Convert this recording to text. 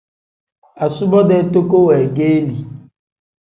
Asubo-dee toko weegeeli.